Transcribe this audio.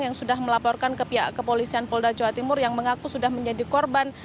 yang sudah melaporkan ke pihak kepolisian polda jawa timur yang mengaku sudah menjadi korban